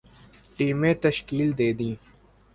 ٹیمیں تشکیل دے دیں